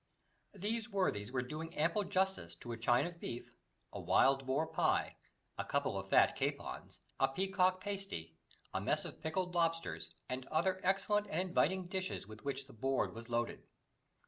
These worthies were doing ample justice to a chine of beef, a wild boar pie, a couple of fat capons, a peacock pasty, a mess of pickled lobsters, and other excellent and inviting dishes with which the board was loaded.